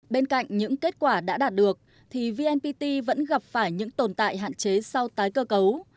bên cạnh những kết quả đã đạt được thì vnpt vẫn gặp phải những tồn tại hạn chế sau tái cơ cấu